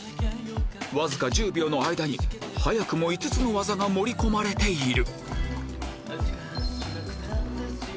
わずか１０秒の間に早くも５つの技が盛り込まれている